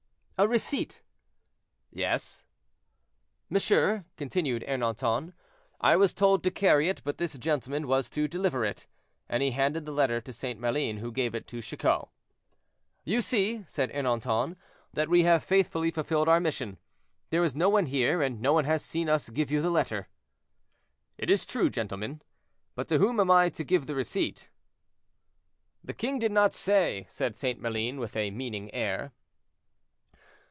"A receipt."—"Yes." "Monsieur," continued Ernanton, "I was told to carry it, but this gentleman was to deliver it." And he handed the letter to St. Maline, who gave it to Chicot. "You see," said Ernanton, "that we have faithfully fulfilled our mission. There is no one here, and no one has seen us give you the letter." "It is true, gentlemen; but to whom am I to give the receipt?" "The king did not say," said St. Maline, with a meaning air.